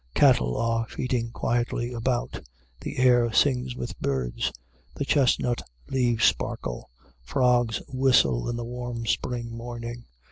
Cattle are feeding quietly about. The air sings with birds. The chestnut leaves sparkle. Frogs whistle in the warm spring morning.